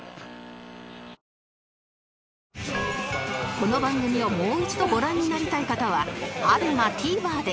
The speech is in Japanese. この番組をもう一度ご覧になりたい方は ＡＢＥＭＡＴＶｅｒ で